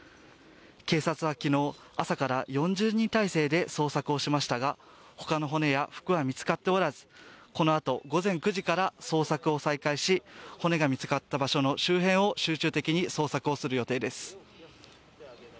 警察は昨日、朝から４０人態勢で捜索をしましたが、捜索をしましたが、他の骨や服は見つかっておらず、このあと午前９時から捜索を再開し骨が見つかった場所の周辺を集中的に捜索をする予定です。